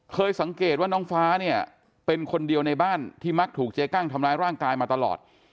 สังเกตว่าน้องฟ้าเนี่ยเป็นคนเดียวในบ้านที่มักถูกเจ๊กั้งทำร้ายร่างกายมาตลอด